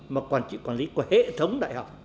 mà quản trị quản lý của hệ thống đại học